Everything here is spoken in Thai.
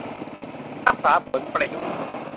รักษาผลประโยชน์